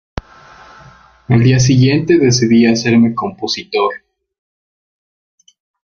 Al día siguiente, decidí hacerme compositor.